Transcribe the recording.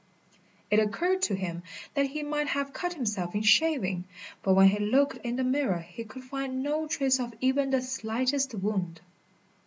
It occurred to him that he might have cut himself in shaving; but when he looked in the mirror he could find no trace of even the slightest wound.